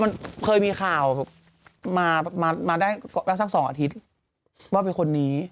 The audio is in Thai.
มันเคยมีข่าวมาได้ก็สัก๒อาทิตย์ว่าเป็นคนนี้